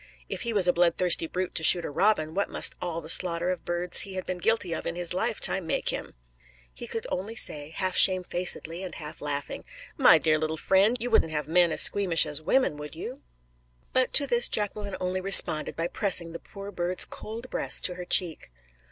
If he was a bloodthirsty brute to shoot a robin, what must all the slaughter of birds he had been guilty of in his lifetime make him? He could only say, half shamefacedly and half laughing "My dear little friend, you wouldn't have men as squeamish as women, would you?" But to this Jacqueline only responded by pressing the poor bird's cold breast to her cheek.